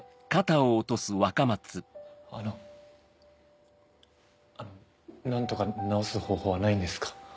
あのあの何とか治す方法はないんですか？